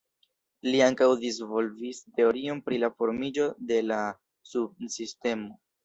Li ankaŭ disvolvis teorion pri la formiĝo de la sunsistemo.